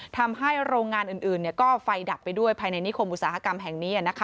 ทำให้โรงงานอื่นก็ไฟดับไปด้วยภายในนิคมอุตสาหกรรมแห่งนี้